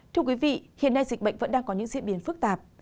thưa quý vị hiện nay dịch bệnh vẫn đang có những diễn biến phức tạp